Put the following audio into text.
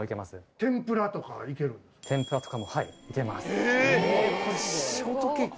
天ぷらとかもはい行けます。